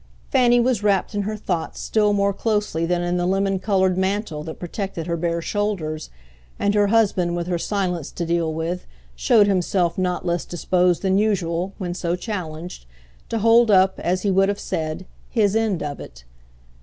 Fanny was wrapped in her thoughts still more closely than in the lemon coloured mantle that protected her bare shoulders, and her husband, with her silence to deal with, showed himself not less disposed than usual, when so challenged, to hold up, as he would have said, his end of it.